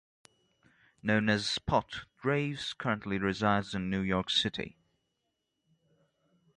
Known as "Spot," Draves currently resides in New York City.